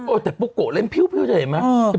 โอ้ยแต่ปูโกะเล่นผิวจะเห็นไหม